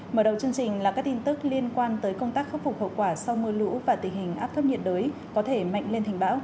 mở đầu chương trình là các tin tức liên quan tới công tác khắc phục hậu quả sau mưa lũ và tình hình áp thấp nhiệt đới có thể mạnh lên thành bão